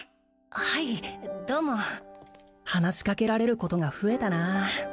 はいどうも話しかけられることが増えたなあ